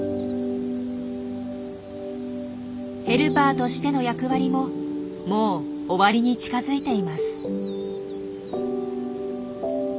ヘルパーとしての役割ももう終わりに近づいています。